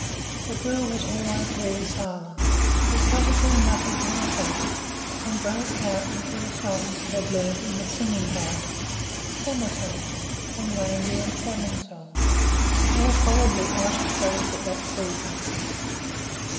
The girl was always very silent, but Kotuko muttered to himself and broke out into songs he had learned in the Singing House summer songs, and reindeer and salmon songs all horribly out of place at that season.